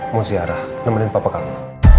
mau ziarah nemenin papa kamu